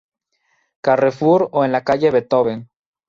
Carrefour, o en la Calle Beethoven.